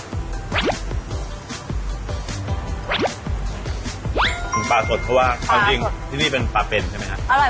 ขึ้นปลาสดเพราะว่าจริงที่นี่เป็นปลาเป็นใช่ไหมครับปลาสด